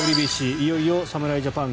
いよいよ侍ジャパン